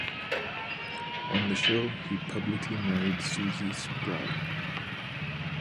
On the show, he publicly married Susie Sprague.